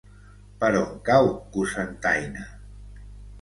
Per on cau Cocentaina?